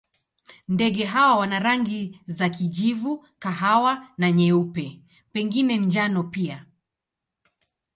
Ndege hawa wana rangi za kijivu, kahawa na nyeupe, pengine njano pia.